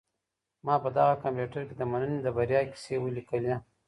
ما په دغه کمپیوټر کي د مننې د بریا کیسې ولیکلې.